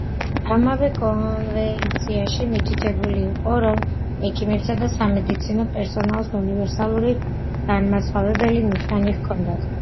ამავე კონვენციაში მითითებული იყო, რომ ექიმებს და სამედიცინო პერსონალს უნივერსალური განმასხვავებელი ნიშანი ჰქონოდათ.